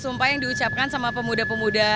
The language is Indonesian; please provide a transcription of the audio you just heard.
sumpah yang diucapkan sama pemuda pemuda